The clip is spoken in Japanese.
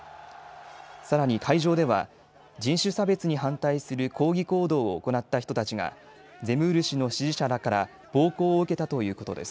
さらに会場では人種差別に反対する抗議行動を行った人たちがゼムール氏の支持者らから暴行を受けたということです。